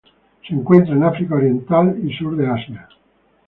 Se encuentra en África oriental y Sur de Asia.